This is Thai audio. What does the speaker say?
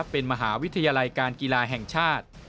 เป็นมหาวิทยาลัยการกีฬาแห่งชาติ